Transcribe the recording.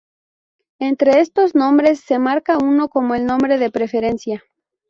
Entre estos nombres, se marca uno como el nombre de preferencia.